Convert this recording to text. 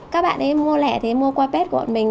các bạn mua lẻ thì mua qua pet của bọn mình